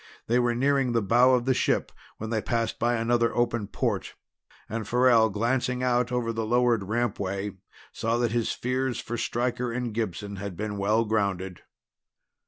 They were nearing the bow of the ship when they passed by another open port and Farrell, glancing out over the lowered rampway, saw that his fears for Stryker and Gibson had been well grounded.